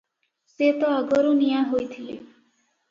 ସେ ତ ଆଗରୁ ନିଆଁ ହୋଇଥିଲେ ।